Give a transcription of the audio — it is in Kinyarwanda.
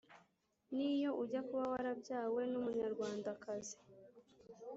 niyo ujya kuba warabyawe n'umunyarwandakazi